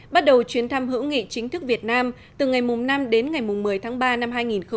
bắt đầu chuyến thăm hữu nghị chính thức việt nam từ ngày năm đến ngày một mươi tháng ba năm hai nghìn hai mươi